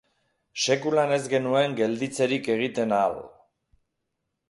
Sekulan ez genuen gelditzerik egiten ahal.